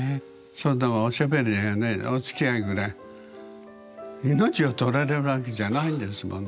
そんなおしゃべりやねおつきあいぐらい命を取られるわけじゃないんですもの。